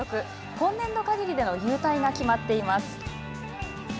今年度かぎりでの勇退が決まっています。